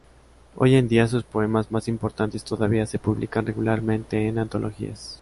Hoy en día sus poemas más importantes todavía se publican regularmente en antologías.